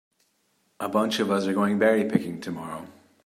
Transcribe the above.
A bunch of us are going berry picking tomorrow.